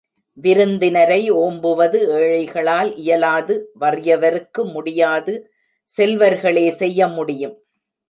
விருந்தினரை ஒம்புவது ஏழைகளால் இயலாது வறியவருக்கு முடியாது செல்வர்களே செய்ய முடியும்.